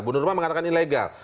bu nurmawati mengatakan ilegal